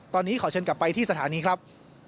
ตอนนี้ขอเชิญกลับไปที่สถานีครับ